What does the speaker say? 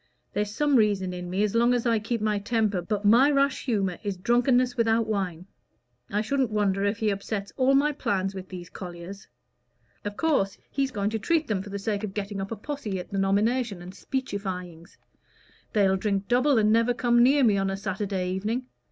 There's some reason in me as long as I keep my temper, but my rash humor is drunkenness without wine. I shouldn't wonder if he upsets all my plans with these colliers. Of course he's going to treat them for the sake of getting up a posse at the nomination and speechifyings. They'll drink double, and never come near me on a Saturday evening.